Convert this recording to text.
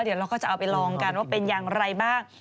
เดี๋ยวเราก็จะเอาไปลองกันว่าเป็นอย่างไรบ้าง